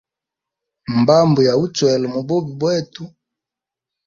Mbambo ya uchwela mububi bwetu.